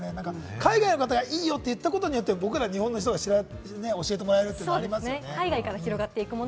海外の方が、いいよって言ったことによって僕ら日本が日本の人が知らせてもらえることもありますよね。